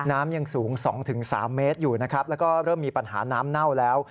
น้ำยังสูง๒๓เมตรอยู่นะครับแล้วก็เริ่มมีปัญหาน้ำเน่าแล้ว